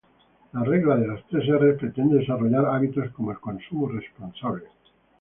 La Regla de las tres erres pretende desarrollar hábitos como el consumo responsable.